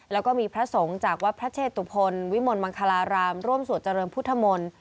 แล้วก็มีพระสงฆ์จากวัดพระเชตุพลวิมลมังคลารามร่วมสวดเจริญพุทธมนต์